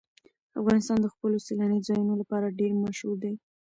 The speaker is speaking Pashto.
افغانستان د خپلو سیلاني ځایونو لپاره ډېر مشهور دی.